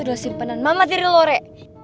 udah simpenan mama diri lo re